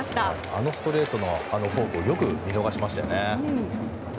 あのストレートのあとのフォークをよく見逃しましたね。